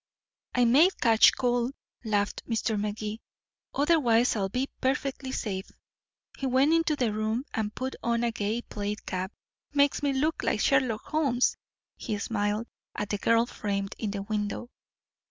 "I may catch cold," laughed Mr. Magee; "otherwise I'll be perfectly safe." He went into the room and put on a gay plaid cap. "Makes me look like Sherlock Holmes," he smiled at the girl framed in the window.